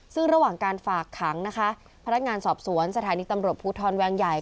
ซึ่งระหว่างการฝากขังนะคะพนักงานสอบสวนสถานีตำรวจภูทรแวงใหญ่